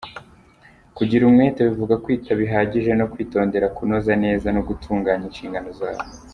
Kugira umwete bivuga kwita bihagije no kwitondera kunoza neza no gutunganya inshingano zawe.